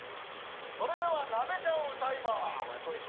それではなべちゃん歌います。